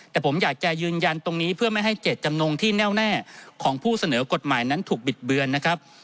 แต่ผมอยากจะยืนยันตรงนี้เพื่อไม่ให้เจตจำนงที่แน่วแน่ของผู้เสนอกฎหมายนั้นถูกบิดเบือนนะครับ